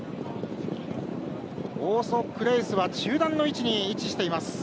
オーソクレースは中団の位置に位置しています。